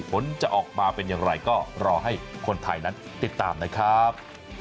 ผลจะออกมาเป็นอย่างไรก็รอให้คนไทยนั้นติดตามนะครับ